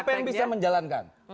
siapa yang bisa menjalankan